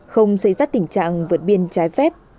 không xảy ra tình trạng vượt biên giới